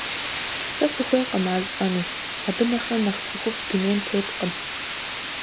Сэ сыхуейкъым ар лӀэну, абы нэхърэ нэхъ цӀыхуфӀ дунейм теткъым.